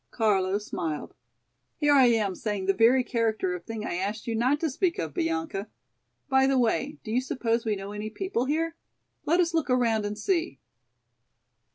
Carlo smiled. "Here I am saying the very character of thing I asked you not to speak of, Bianca! By the way, do you suppose we know any people here? Let us look around and see."